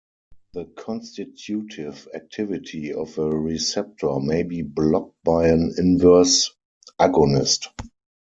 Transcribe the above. The constitutive activity of a receptor may be blocked by an inverse agonist.